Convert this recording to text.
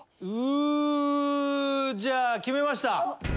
う！じゃあ決めました。